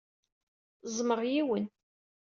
Ẓẓmeɣ yiwen.